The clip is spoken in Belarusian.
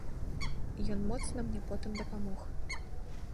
Ён моцна мне потым дапамог.